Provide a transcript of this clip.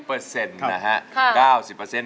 ๙๐เปอร์เซ็นต์นะฮะ๙๐เปอร์เซ็นต์